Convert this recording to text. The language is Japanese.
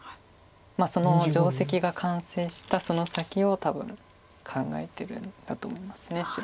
その定石が完成したその先を多分考えてるんだと思います白。